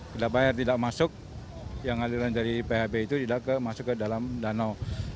tidak bayar tidak masuk yang aliran dari phb itu tidak masuk ke dalam danau